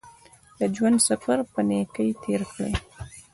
د ژوند سفر په نېکۍ تېر کړئ.